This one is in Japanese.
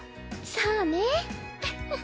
そうねう